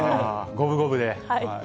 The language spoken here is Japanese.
五分五分で。